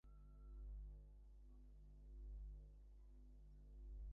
মুঠোফোন ব্যবহারের হার ব্যাপকভাবে বাড়ার কারণে বিশ্বব্যাপী ল্যান্ডফোনের ব্যবসা সংকুচিত হয়ে আসছে।